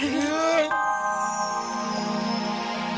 ya ini udah gawat